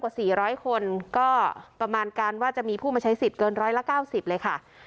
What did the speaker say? กว่าสี่ร้อยคนก็ประมาณกันว่าจะมีผู้มาใช้สิทธิ์เกินร้อยละเก้าสิบเลยค่ะ